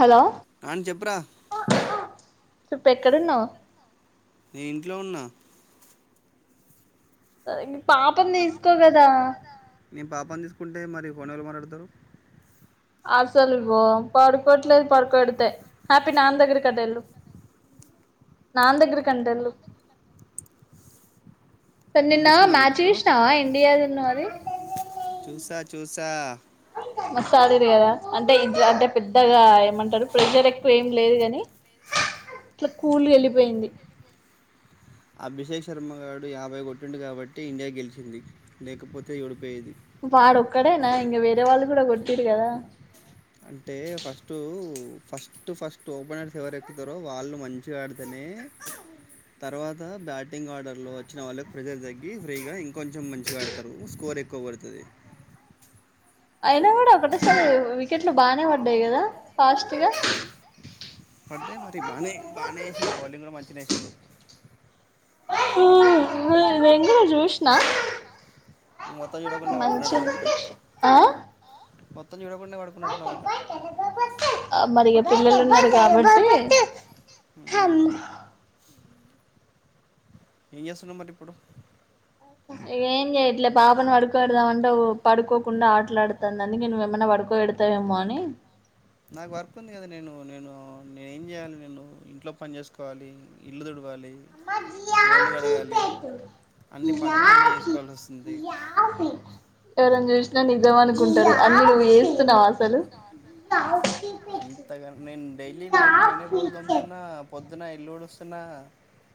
Hello Nani చెప్పురా చెప్పు ఎక్కడున్నావు నే ఇంట్లో ఉన్నా సరే పాపం తీసుకోగదా నేను పాపని తీసుకుంటే మరి ఫోన్ ఎవరు మాట్లాడతారు అసలు ఇగో పడుకోట్లేదు పడుకోబేడుతే నాన్ దగ్గరికి అంట వేళ్ళు నాన్న దగ్గరికి అంట వెళ్ళు స నిన్న వినిపిస్తుందా నీకు మ్యాచ్ ఇప్పుడు చూసినవ ఇండియాదివును అది చూసా చూసా మస్తు ఆడిండ్రు కదా అంటే ఇట్ల అంటే పెద్దగా ఏమంటారు ప్రెషర్ ఎక్కువ ఏం లేదు కాని ఇట్లా కూల్గా వెళ్ళిపోయింది అభిషేక్ శర్మ గాడు యాభై కొట్టిండు కాబట్టి ఇండియా గెలిచింది లేకపోతే ఏడు వాడు ఒక్కడేనా ఇంక వేరే వాళ్ళు కూడా కొట్టిండ్రు కదా అంటే ఫస్ట్ ఫస్ట్ ఫస్ట్ ఓపెనర్స్ ఎవరు ఎక్కుతారో వాళ్ళు మంచిగా ఆడితేనే ఏ తర్వాత బ్యాటింగ్ ఆర్డర్ లో వచ్చిన వాళ్ళు ప్రెజర్ తగ్గి ఫ్రీగా ఇంకొంచెం మంచిగా ఆడతారు స్కోర్ ఎక్కువబడతది అయినా కూడా ఒకటే సారి వికెట్లు బానే పడ్డాయి కదా ఫాస్టుగా పడితే మరి బానే బానే ఏషిండు బౌలింగ్ గుడ మంచి నేసిల్లు నేంగిన జూష్ణ మొత్తం చూడకుండా పడుకున్నట్టున్నావు మంచిది ఆ మొత్తం జూడకుండా పడుకున్నట్టున్నావు గదా పిల్లలున్నారు కాబట్టి హ్మ్. ఏం చేస్తున్నా మరి ఇప్పుడు ఏం చెయట్లే పాపను పడుకో పెడదామంటే పడుకోకుండా ఆట్లాడుతాందని నేను ఎమన్నా పడుకో పెడతాదేమో అని నాకు వర్క్ ఉంది గదా నేను నేను నేను ఏం చేయ్యాలి నేను ఇంట్లో పని చేసుకోవాలి ఇల్లు తుడు మప అన్ని పనులు నేనే చేసుకోవాల్ వస్తుంది ఎవరని జూషినా నిజం అనుకుంటారు అన్ని నువ్వు చేస్తున్నావ అసలు అంతగాని నేను డైలీ నైట్ నేనే బోలు తోమ్ముతున్నా పొద్దున ఇల్లూడుస్తున్నా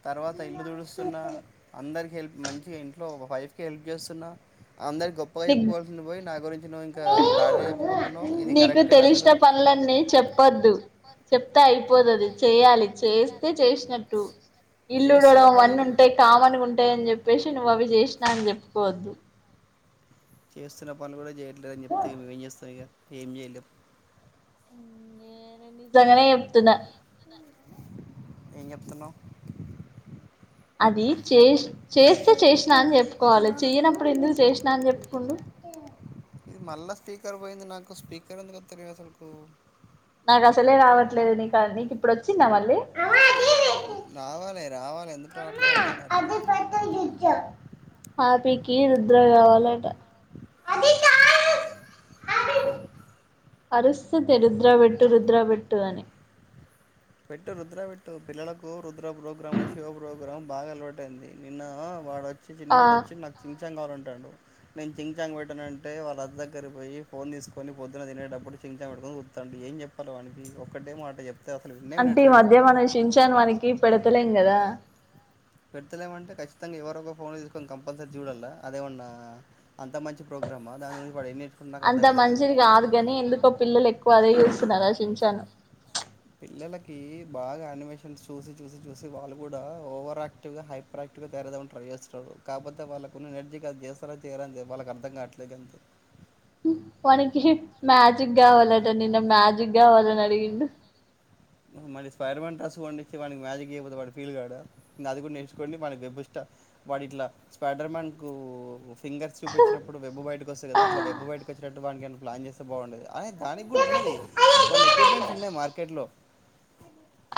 తర్వాత ఇల్లు తుడుస్తున్న అందరికి హెల్ప్ మంచిగా ఇంట్లో వైఫ్కి హెల్ప్ చేస్తున్న అందరి గొప్పగా నీకు చెప్పుకోవాల్సింది పొయి నా గురించి నువ్వు ఇంకా బ్యాడగా చెప్పుకుంటున్నావు ఇది నీకు కరెక్టే నా అసలు తెలిసిన పనులన్నీ చెప్పొద్దు చెప్తే అయిపోదది చెయ్యాలి చేస్తే చేషినట్టు ఇల్లు ఊడ్వడం చేస్తున్న పనులు అవన్నుంటాయ్ కామన్ గుంటాయ్ అని చెప్ప్ పేషి నువ్వవి చేషినా అని చెప్పుకోవద్దు చేస్తున్న పనులు గుడా చేయట్లేదని చెప్తే నువ్వేం చేస్తాం ఇగ ఏం చేయలేవు నేను నిజంగానే చెప్తున్న ఏం చెప్తున్నావు అది చేష్ చేస్తే చేషినా అని చెప్పుకోవాలే చెయ్యనప్పుడు ఎందుకు చేషినా అని చెప్పుకుండు ఇది మళ్ళా స్పీకర్ పోయింది నాకు స్పీకర్ ఎందుక తె అసలుకు నాకసలే రావట్లేదు నీకా నీకు ఇప్పుడు వచ్చిందా మళ్ళీ రావాలే రావాలి ఎందుకు రావట్లేదు అ అర్థం కావట్లేదు అదిపత్ర హాపీకి రుద్ర కావాలట అరుస్తుంది రుద్రాబెట్టు రుద్రాబెట్టు అని పెట్టు రుద్ర పెట్టు పిల్లలకు రుద్ర ప్రోగ్రాం శివ ప్రోగ్రామ్ బాగా అలవాటైంది నిన్న వాడ చి ఆ చిన్నోడొచ్చి నాకు కావాలంటాడు నేను చింగ్చాంగ్ పెట్టనంటే వాళ్ళద్ద దగ్గర పొయ్యి ఫోన్ తీసుకొని పొద్దున తినేటప్పుడు చించాంగ్ పెట్టుకని వురుకుతాండు ఏం చెప్పాలె వానికి ఒక్కటే మాట చెప్తే అసలు విన్నే అంటే ఈ వినట్లేడు మధ్య మనం షించాను వానికి పెడతలేం కదా పెడతలేమంటే ఖచ్చితంగా ఎవరదో ఫోన్ తీసుకొని కంపల్సరీ జూడాల్ల అదేమన్నా అంత ప్రోగ్రామా దాని గురించి వాడు ఏం నేర్చుకుంటడు నాకు అంత అర్థమైతలేదు మంచిది గాదు గని ఎందుకో పిల్లలెక్కువ అది మెరాశించాను పిల్లలకి బాగా ఆనిమేషన్స్ చూసి చూసి చూసి వాళ్ళు గుడా ఓవర్ ఆక్టివ్గా హైపర్ యాక్టివ్ గా తయారవ్ ట్రై చేస్తరోలు కాకపోతే వాళ్ళ కున్న ఎనర్జీ కది చేస్తారో చేయరో అంతే వాళ్ళకి అర్థం కావట్లే అంతే అ వానికి మ్యాజిక్ కావాలట నిన్న మ్యాజిక్ గావాలని అడిగిండు మళీ స్పైడర్ మాన్ ట్రస్ కొనిచ్చి వానికి మ్యాజిక్ జైపోతే వాడు ఫీల్ కాడ ఇంగ అది కూడా నేర్చుకోండి వానికి వెబ్ ష్ట వాడిట్లా స్పాడర్ మ్యాన్ కు ఫింగర్స్ చూప్చినప్పుడు వెబ్ బయట కస్తుది కద అట్ల వెబ్ బయటకొచ్చెటట్టు వానికేన ప్లాన్ చేస్తే బావుండుగ దానికి గూడున్నది కొన్ని ఎక్విప్మెంట్స్ ఉన్నాయి మార్కెట్లో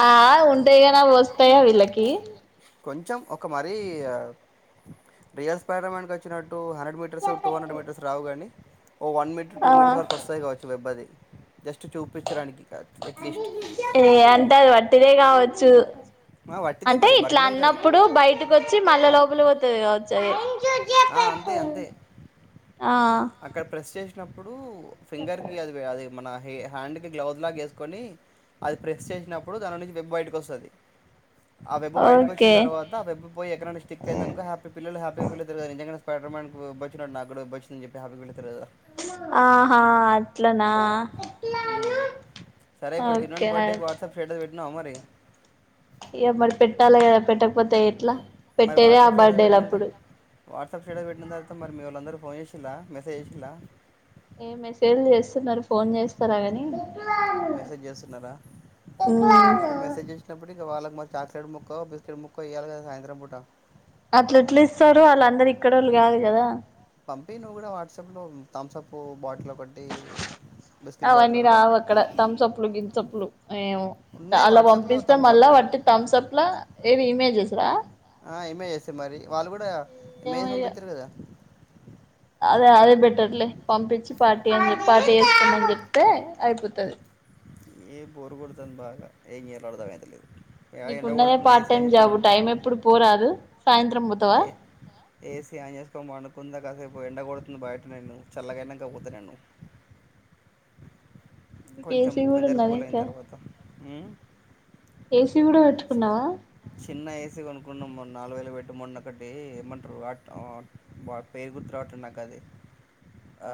ఆ ఉంటే గన వస్తాయా వీళ్ళకి కొంచెం ఒక మరీ రియల్ స్పైడర్ మాన్ కి వచ్చిన two hundred metres two hundred metres రావు గానీ ఓ వన్ మీటర్ టూ ఆ మీటర్స్ వరకు వస్తాయి కావచ్చు వెబ్బది అట్లీస్ట్ ఏ అంటే అది వట్టిదే కావచ్చు ఆ వట్టిదే అంటే మరి ఇట్లా ఒరిజినల్ కాదు అన్నప్పుడు బయటకొచ్చి మళ్ళా లోపలి పోతది కావచ్చది ఆ అంతే అంతే ఆ అక్కడ ప్రెస్ చేసినప్పుడు ఫింగర్ కి అది అది మన హ్యాండ్ కి గ్లౌస్ లాగ వేసుకొని అది ప్రెస్ చేసినప్పుడు దాన్లో నుంచి వెబ్ బయటకు వస్తాది ఆ వెబ్ బయటికొచ్చిన ఓకే తర్వాత వెబ్ పోయి ఎక్కడనా స్టిక్ అయిందనుకో హ్యాపీ పిల్లలు హ్యాపీ పిల్లలు స్పైడర్ మ్యాన్ కు ఉబ్బోచినట్టు నాక్కూడా ఉబ్బొచ్చిందని చెప్పి హ్యాపీగా ఫీల్ అవుతారు కదా ఆహా అట్లనా మ్మ్ సరే ఇబ్బుడు ఓకే చిన్నోని బర్డే వట్సప్ స్టేటస్ బెట్నావా మరి ఇగ మరి పెట్టాలి కదా పెట్టకపోతె ఎట్లా మరి పెట్టేదే ఆ వాట్సాప్ స్టేటస్ బర్త్డేలు పెట్టినంక అప్పుడు వాట్సాప్ స్టేటస్ పెట్టిన తర్వాత మిళ్ళందరూ ఫోన్ చేసిల మెసజ్ చేసిలా ఏ మెసేజ్లు చేస్తున్నారు ఫోన్ చేస్తారా గాని మెసేజ్ చేస్తున్నారా సరే మెసేజ్ చేసినప్పుడు ఇక వాళ్ళ చాక్లేట్ ముక్కో బిస్కెట్ ముక్కో ఇయల గదా సాయంత్రం పూటా అట్లేలిస్తారు వాళ్ళ అందరు ఇక్కడ వాళ్ళు కాదు కదా పంపి నువ్వు కూడా వాట్సాప్ లో థమ్సప్ బాటిల్ ఒకటి బిస్కెట్ బాటిల్ అవన్నీ ఒకటి రావు పంపి అక్కడ తంసప్లు గింసప్లు ఏమో అ ఉన్నాయి లా వాట్సాప్లో పంపిస్తే మళ్ళా థమ్సప్ వాట్టి థమ్స్ అప్ లో ఏవి ఇమేజెస్ రా ఆ ఇమేజెసే మరి వాళ్ళు కూడా ఏమో ఇమేజెసే ఇగ పంపించారు కదా అదే అదే బెటర్లే పంపించి పార్టీ అని పార్టీ చేస్తామని చెప్తే అయిపోతది ఏ బోరు కొడతాంది బాగా ఎంజేయాలో అర్థమైతలేదు ఎండ నీకున్నదే కొడుతుంది పార్ట్ ఏసీ టైం ఆన్ చేసుకో జాబ పండుకో టైం ఎప్పుడు పోరాదు సాయంత్రం పోతావా ఏసి ఆన్ చేసుకోని పనుకుంట కాసేపు ఎండ కొడ బయట నేను చల్లగైనంక పోతా నేను మీకు కొంచెం ఏసీ కూడా వెదర్ ఉన్నది కూల్ అయిన ఇంకా తర్వాత మ్మ్ ఏసీ కూడా వెట్టుకున్నా చిన్న ఏసీ కొనుకున్నాం మొన్న నాలుగు వేలు పెట్ట మొన్న ఒకటి ఏమంటారు పేరు గుర్తు రావటం నాకు అది ఆ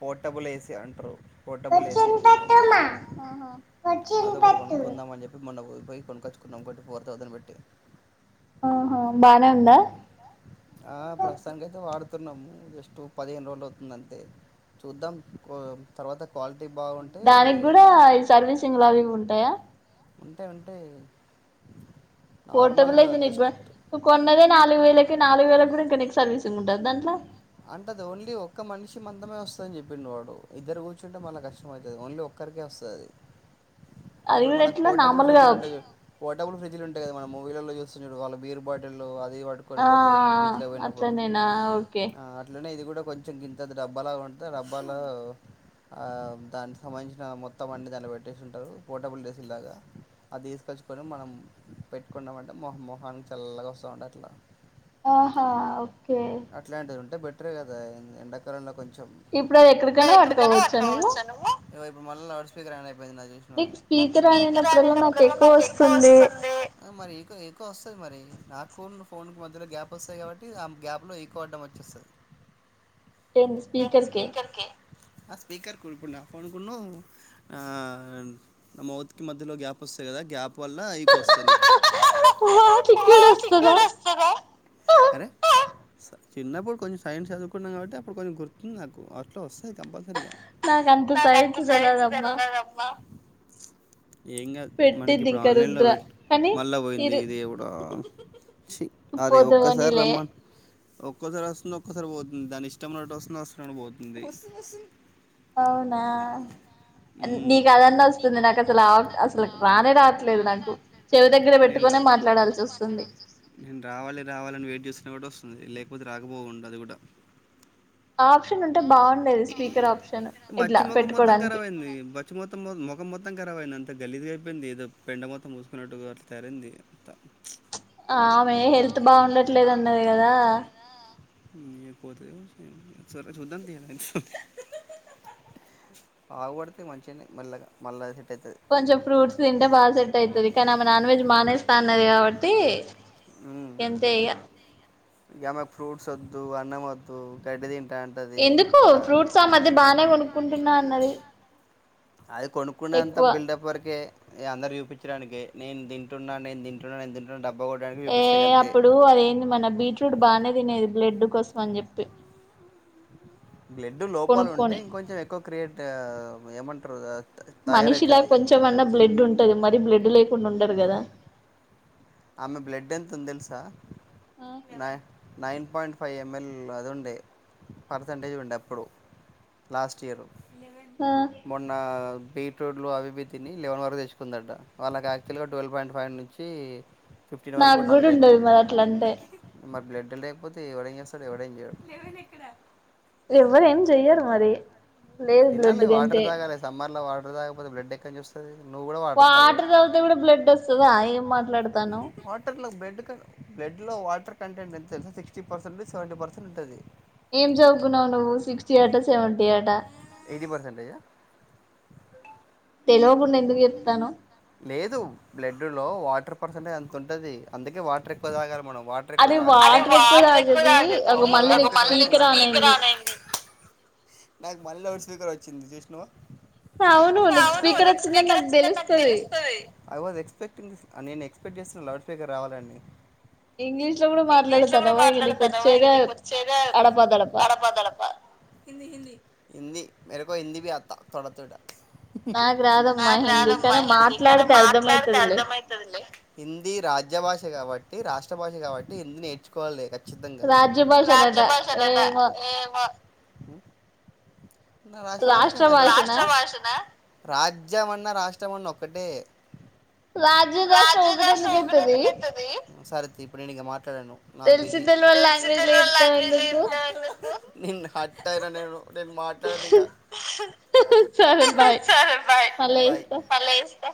పోర్టబుల్ ఏసీ అంటారు పోర్టబుల్ ఏసీ ఆహా అదొకటి కొనుక్కుందాం అని చెప్పి మొన్న పోయి కొంకుచాకున్నాం ఫోర్ థౌసండ్ పెట్టి ఆహా బానే ఉందా ఆ ప్రస్తుతానికైతే తున్నాము జస్ట్ పదిహేను రోజులు అవుతుందంటే చూద్దాం తర్వాత క్వాలిటీ బాగుంటే దానికి కూడా ఈ సర్వీసింగ్ లావివి ఉంటాయా ఉంటాయి ఉంటాయ్ పోర్టబులయితే నువ్ కొన్నదే నాలుగు వేలు వీలకి నాలుగు వేలకు కూడా నిక్ సర్వీసింగ్ ఉంటద దాంట్లో అంటే అది ఓన్లీ ఒక్క మనిషి మందమే వస్తుందని చెప్పిండు వాడు ఇద్దరు కూర్చుంటే మన కష్టంమవుతుంది ఓన్లీ ఒక్క ఒక్కరికే వస్తుందది అది ఇప్పుడు కూడా మన ఎట్లా పోర్టబుల్ నార్మల్గా ఫ్రిడ్జ్లు ఉంటాయి పోర్టబుల్ ఫ్రిడ్జ్లు ఉంటాయి కదా మనం మూవీలలో చూస్తాం చూడు వాళ్ళ బీర్ బాటిల్లు అది పట్టుకొని ఆ ఆ పోతారు ఆ అట్లనేనా ఓకే ట్లనే ఇది కూడా కొంచెం గింతది డబ్బాలా ఉంటది డబ్బాలో ఆ దానికి సంబంధించిన మొత్తం అన్ని దాన్ని పెట్టేసి ఉంటారు పోర్టబుల్ ఏసీల్లగా అది తీసుకొచ్చుకొని మనం పెట్టుకుంటమంటే మొహం మొహానికి చల్లగా వస్తాదుంటదట్ల అట్లా ఆహా ఓకే ఇట్లాంటిది ఉంటే బెటరే కదా ఎండాకాలంలో కొంచెం ఇప్పుడు అది ఎక్కడికైనా పట్టుకోవచ్చా పట్టుక పోవచ్చా నువ్వు మళ్ళీ లౌడ్ స్పీకర్ అన్ అయిప్ నీకు నిక్ స్పీకర్ ఆన్ అయినప్పుడల్లా అయిన నాకు ప్రతి ఎక్కువ సారి ఏకో వస్తుంది నాకు వస్తుంది మరి ఇకో ఎకో వస్తుంది మరి నా ఫోన్ ఫోన్కి మధ్యలో గ్యాప్ వస్తాయి కాబట్టి ఆ గ్యాప్లో ఎకో అడ్డం వచ్చేస్తుంది ఏంద స్పీకర్ కె ఆ స్పీకర్ కొనుక్కన్న కొనుకున్నో ఆ నా మౌత్ కి మధ్యలో గ్యాప్ వస్తది కదా గ్యాప్ పొల్ల అవికొస్తా నీకు వాటికి కూడా వస్తదా ఆటిగ్గుడ వస్తర స చిన్నప్పుడు కొంచెం సైన్స్ చదువుకున్నాం కాబట్టి అప్పుడు కొంచెం గుర్తుంది నాకు అట్లా వస్ స్తాయ్ కంపల్సరిగా నాకు అంతా సైన్స్ తెల్వదమ్మా ఏం కాద్ మనకి పెట్టింది ఇప్పుడు ఇంకా ఆన్లైన్ లో రుద్ర వెట్ కానీ మళ్ళా పోయింది ఇరు ఇది దేవుడా ఛీ అరే ఒక్కసారి పోదువునీలే రమ్మను ఒక్కోసారి వస్తుంది ఒక్కోసారి పోతుంది దాని ఇష్టమున్నట్టు వస్తుంది అవసరమైనపుడు పోతుంది అవునా ఉమ్, నీకు అదన్నా వస్తుంది నాకు అసలు అసలు రానే రావట్లేదు నాకు చెవి దగ్గర నేను పెట్టుకొని నేను రావాలె రావాలని వెయిట్ జేసినప్పుడు వస్ స్తుంది లేకపోతే రాకపోవుండు అది గుడా అ ఆప్షన్ ఉంటే బాగుండేది స్పీకర్ ఆప్షన్ ఇట్లా బచ్చి ముఖం మొత్తం పెట్టుకోడానికి ఖరాబ్ అయింది బచ్చి మొత్తం మొ- ముఖం మొత్తం కరాబ్ అయింది అంత గలీజ్ గా అయిపోయింది ఏదో పెండ మొత్తం బూసుకున్నట్టుగా తయరైంది అంతా ఆమె హెల్త్ బాగుండట్లేదు అన్నది గదా [unintelligible] ఆవంబపడితే మంచినే మెల్లగ మళ్ళా కొంచెం ఫ్రూట్స్ తింటే బాగా సెట్ అయితది కానీ ఆమె నాన్ వెజ్ మానేస్తా అన్నది కాబట్టి ఎంతె ఇగ గమే ఫ్రూట్సొద్దు అన్న మొద్దు గడ్డి దిన్ ఎందుకు ఫ్రూట్స్ ఆ మధ్య బానే కొనుక్కుంటున్నా అన్నది అది కొనుక్కునె అంతా ఎక్కువ బిల్డప్ వరకే ఏ అందరికి జుపిచ్చడానికె నేన్ దింటున్నా నేన్ దింటున్నా నేన్ దింటున్నా డబ్ ఏ అప్పుడు అదేంది మన బీట్రూట్ బానే దినేది బ్లెడ్ కోసం అని జెప్పి బ్లెడ్డు లోపలుంటే కొనుక్కొని ఇంకొంచెం ఎక్కువ క్రియేట్ ఏమంట్రు మనిషిలా కొంచమన్నా బ్లెడ్డు ఉంటది మరీ బ్లెడ్డు లేకుండా ఉండరు గదా ఆమె బ్లెడ్ ఎంతుంది తెలుసా నై నైన్ పాయింట్ ఫైవ్ ఎంఎల్ అది ఉండే పర్సంటేజ్ ఉండా అప్పుడు లాస్ట్ ఇయరు ఆ మొన్నా బీ ర్టూట్ లు అవి ఇవి తిని లెవెన్ వరకు తెచ్చుకుందట వాళ్ళకి యాక్చుల్గా టువల్వ్ పాయింట్ ఫైవ్ నుంచి ఫిఫ్టీన్ వరకు నాగ్గుడ ఉండాలి రేంజ్ ఉండదు మరి అట్లంటే మరి బ్లడ్ లేకపోతే ఎవడేంజేస్తాడు ఎవడేం చేయడు ఎవ్వరేం జెయ్యారు మరి లేదు బ్లడ్ తినాలి వాటర్ గంతే దాగాలె సమ్మర్ లో వాటర్ తాగపోతే బ్లడ్ ఎక్కన్నుంచి వస్తది వాటర్ దాగితే గుడా బ్లడ్డొస్తద ఏం మా వాటర్ లో బ్లెడ్ బ్లడ్ లో వాటర్ కంటెంట్ ఎంత తెలుస సిక్స్టీ పర్సెంట్ సెవెంటీ పర్సెంట్ ఉంటాది ఏం జదువుకున్నావ్ నువ్వు సిక్స్టీ అట సెవెంటీ అట ఇది పర్సెంటేజా తెల్వకుండా ఎందుకు జెప్తాను లేదు బ్లడ్డు లో వాటర్ పర్సంటేజ్ అంత ఉంటది అందుకే వాటర్ ఎక్కువ తాగాలి మనం వాటర్ ఎక్కువ తాగు [unintelligible] అరే వాటర్ ఎక్కువ తాగేది అగొ మళ్ళీ నీకు స్పీకర్ ఆన్ అయింది నాకు మళ్ళీ లౌడ్ స్పీకరొచ్చింది చూష్ణావ అవును అవును స్పీకర్ నీకు వచ్చిందని స్పీకరొచ్చిందని నాకు తెలుస్తది దెలుస్తది ఐ వాస్ ఎక్స్పెక్టింగ్ నేను ఎక్స్పెక్ట్ చేస్తున్న లౌడ్ స్పీకర్ రావాలని ఇంగ్లీష్ లో కూడా ఇంగ్లీష్ లో గుడా మాట్లాడతానవా ఇగ నీకు మాట్లాడతన్నవా ఇంగ వచ్చేదే నీకొచ్చేదే అడపదడప అడపా దడపా హిందీ మేరకో హిందీ బే ఆత తొడ తొడ నాక్ రా నాకు రాదమ్మా హిందీ కానీ మాట్లాడితే అర్థమైతదిలే అర్థమవుతుదిలే హిందీ రాజ్య భాష కాబట్టి అది రాష్ట్ర భాష కాట్టి ఇందు నేర్చుకోవాలిదు రాజ్య భాషనట రాజ్యభాష రాద ఏమో ఏ రాష్ట్రభాష రాష్ట్ర మరి భాషనా రాష్ట్రభాష రాజ్య మన్నా రాష్ట కష్టంన్న ఒక్కటే రాజ్య రాష్ట్రం రాజ్యము ఒకటి రాష్ట్రము ఒకటే అయితది ఎందుకు అవుతిందే సరి ఇప్పుడు నేను ఇ మాట్లాడాను నాకు తెలిసి బిజీ తెల్వని తెల్స లాంగ్వేజ్ లో చెప్తావు లాంగ్వేజ్ లో ఎందుకు చెపుతాయిందే నా నేను మాట్లాడది ఇకా సరే బాయ్ సరే బాయ్ మళ్ళ బాయ్ చేస్తా మల్ల చేస్తా